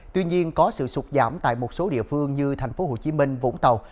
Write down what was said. tuy nhiên có sự sụt giảm tại một số địa phương như thành phố hồ chí minh vũng tàu